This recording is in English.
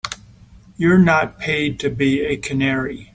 You're not paid to be a canary.